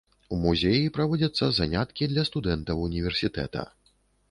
У музеі праводзяцца заняткі для студэнтаў універсітэта.